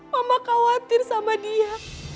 mama khawatir sama dia